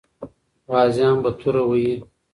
غازیان به توره وهي.